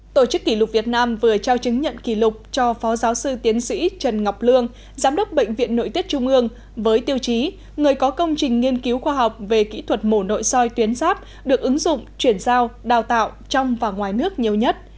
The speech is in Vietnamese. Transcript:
tổ chức kỷ lục việt nam vừa trao chứng nhận kỷ lục cho phó giáo sư tiến sĩ trần ngọc lương giám đốc bệnh viện nội tiết trung ương với tiêu chí người có công trình nghiên cứu khoa học về kỹ thuật mổ nội soi tuyến giáp được ứng dụng chuyển giao đào tạo trong và ngoài nước nhiều nhất